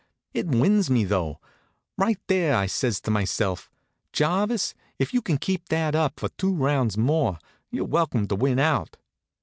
It wins me, though. Right there I says to myself: "Jarvis, if you can keep that up for two rounds more, you're welcome to win out."